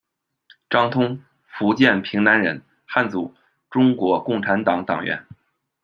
张通，福建屏南人，汉族，中国共产党党员。